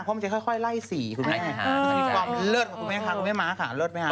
เพราะมันจะค่อยค่อยไล่สีคุณแม่ค่ะคุณแม่ค่ะคุณแม่ม้าค่ะเลิศไหมค่ะ